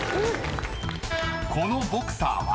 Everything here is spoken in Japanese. ［このボクサーは？］